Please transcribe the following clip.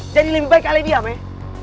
jadi lebih baik ale diam eh